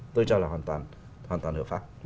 tôi cho là hoàn toàn hoàn toàn hợp pháp